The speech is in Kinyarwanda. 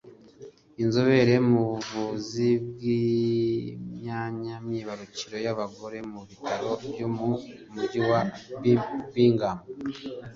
Inzobere mu buvuzi bw’imyanya myibarukiro y’abagore mu bitaro byo mu Mujyi wa Birmingham